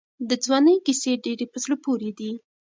د ځوانۍ کیسې ډېرې په زړه پورې دي.